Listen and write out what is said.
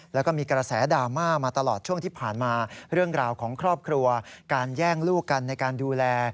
แล้วก็มีกระแสดราม่ามาตลอดช่วงที่ผ่านมาเรื่องราวของครอบครัวการแย่งลูกกันในการดูแล